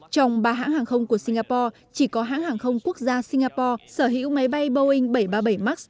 trong ba hãng hàng không của singapore chỉ có hãng hàng không quốc gia singapore sở hữu máy bay boeing bảy trăm ba mươi bảy max